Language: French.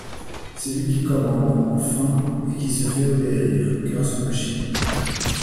C’est lui qui commande enfin et qui se fait obéir, grâce aux machines.